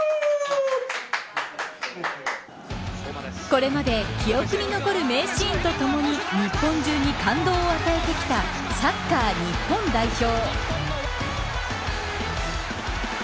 これまで記憶に残る名シーンとともに日本中に感動を与えてきたサッカー日本代表。